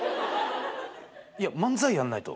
いや漫才やんないと。